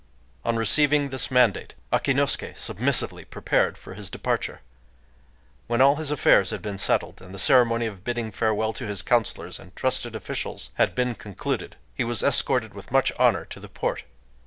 '" On receiving this mandate, Akinosuké submissively prepared for his departure. When all his affairs had been settled, and the ceremony of bidding farewell to his counselors and trusted officials had been concluded, he was escorted with much honor to the port.